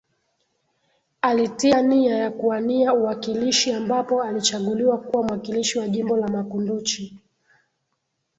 Alitia nia ya kuwania uwakilishi ambapo alichaguliwa kuwa mwakilishi wa jimbo la Makunduchi